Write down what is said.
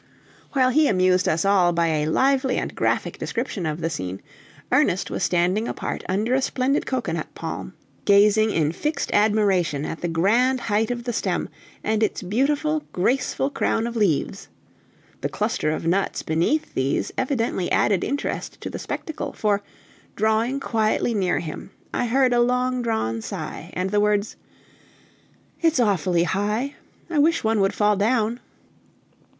While he amused us all by a lively and graphic description of the scene, Ernest was standing apart under a splendid cocoanut palm, gazing in fixed admiration at the grand height of the stem, and its beautiful, graceful crown of leaves. The cluster of nuts beneath these evidently added interest to the spectacle, for, drawing quietly near him, I heard a long drawn sigh, and the words: "It's awfully high! I wish one would fall down!"